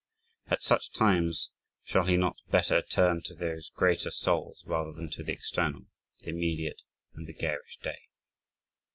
At such times, shall he not better turn to those greater souls, rather than to the external, the immediate, and the "Garish Day"?